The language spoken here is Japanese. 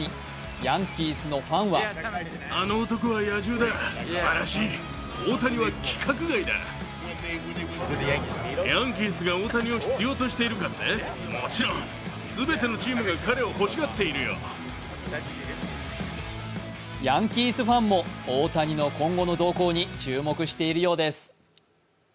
ヤンキースのファンはヤンキースファンも大谷の今後の動向に注目しているようです。